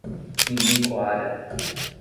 Ibicoara